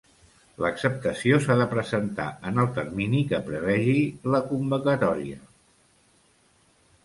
L'acceptació s'ha de presentar en el termini que prevegi la convocatòria.